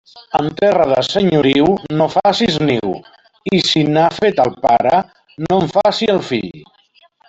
En terra de senyoriu no facis niu, i si n'ha fet el pare, no en faci el fill.